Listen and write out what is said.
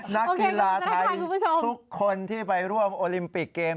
นักกีฬาไทยทุกคนที่ไปร่วมโอลิมปิกเกม